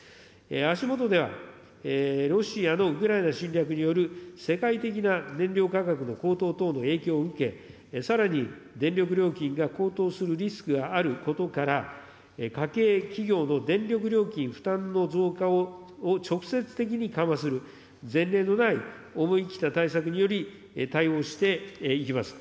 足下ではロシアのウクライナ侵略による世界的な燃料価格の高騰等の影響を受け、さらに電力料金が高騰するリスクがあることから、家計、企業の電力料金負担の増加を直接的に緩和する、前例のない思い切った対策により、対応していきます。